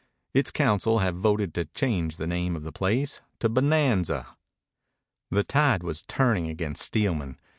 Its council had voted to change the name of the place to Bonanza. The tide was turning against Steelman.